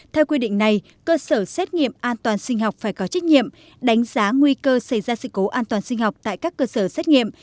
theo quy định này cơ sở xét nghiệm an toàn sinh học phải có trách nhiệm đánh giá nguy cơ xảy ra sự cố an toàn sinh học tại các cơ sở xét nghiệm